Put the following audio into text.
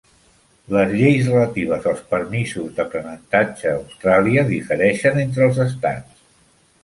Les lleis relatives als permisos d'aprenentatge a Austràlia difereixen entre els estats.